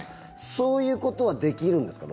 そういうことはできるんですか？